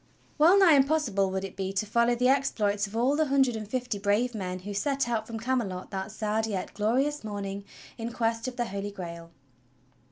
^^^ELL NIGH impossible would it be to follow the exploits of Cv/ all the hundred and fifty brave men who set out from Came lot that sad yet glorious morning in Quest of the Holy Grail.